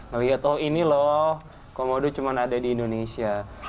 ngelihat oh ini loh komodo cuma ada di indonesia